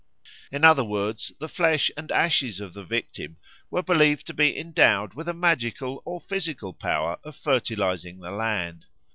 In other words, the flesh and ashes of the victim were believed to be endowed with a magical or physical power of fertilising the land.